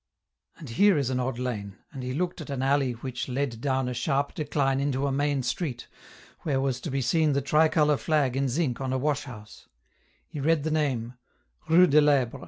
And here is an odd lane, and he looked at an alley which led down a sharp decline into a main street, where was to be seen the tricolor flag in zinc on a washhouse ; he read the name : Rue de I'Ebre.